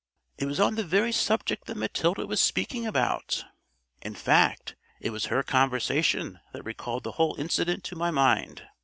"It was on the very subject that Matilda was speaking about in fact, it was her conversation that recalled the whole incident to my mind.